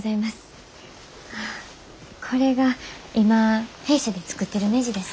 これが今弊社で作ってるねじです。